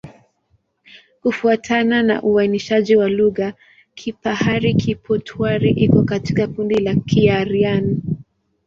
Kufuatana na uainishaji wa lugha, Kipahari-Kipotwari iko katika kundi la Kiaryan.